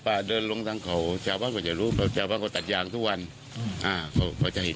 ถ้าเดินมันผัวรุงจังหวัดสงสาก็ได้